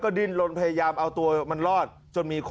ขอให้โชคดี